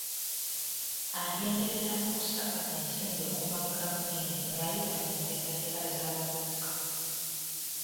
Agenderera okusaka ensimbi okuva mu gavumenti ng'ayita mu nteekateeka z'abavubuka.